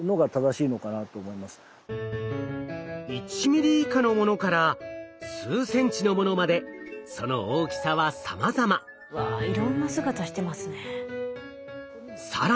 １ミリ以下のものから数センチのものまでそのわいろんな姿してますね。